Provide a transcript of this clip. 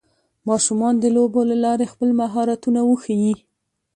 ماشومان د لوبو له لارې خپل مهارتونه وښيي